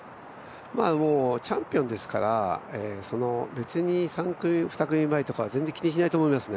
チャンピオンですから別に２組前とか全然気にしないと思いますね。